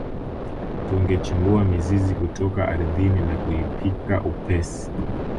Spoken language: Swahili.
Tungechimbua mizizi kutoka ardhini na kuipika upesi